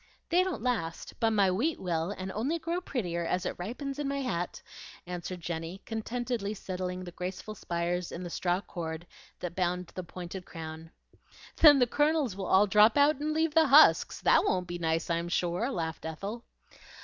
"They don't last; but my wheat will, and only grow prettier as it ripens in my hat," answered Jenny, contentedly settling the graceful spires in the straw cord that bound the pointed crown. "Then the kernels will all drop out and leave the husks; that won't be nice, I'm sure," laughed Ethel.